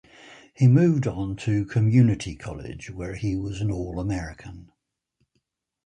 He moved on to community college, where he was an All-American.